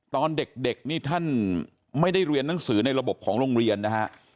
ตอนเด็กนี่ท่านไม่ได้เรียนหนังสือในระบบของโรงเรียนนะฮะ